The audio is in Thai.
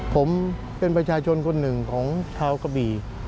ผมเป็นประชาชนคนหนึ่งของชาวกะบี่